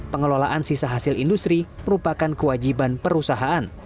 pengelolaan sisa hasil industri merupakan kewajiban perusahaan